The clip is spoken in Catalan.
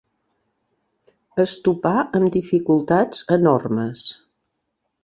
Es topà amb dificultats enormes.